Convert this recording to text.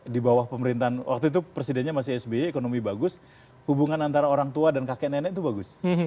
di bawah pemerintahan waktu itu presidennya masih sby ekonomi bagus hubungan antara orang tua dan kakek nenek itu bagus